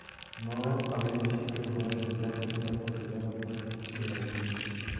No había decisión que tomara el sultán que no fuera consultada a Ibrahim.